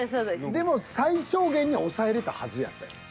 でも最小限には抑えれたはずやったよ。